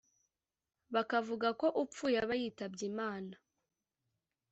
bakavuga ko upfuye aba "yitabye imana"